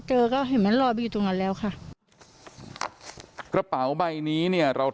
เจอก็เห็นมันรอไปอยู่ตรงนั้นแล้วค่ะกระเป๋าใบนี้เนี่ยเรา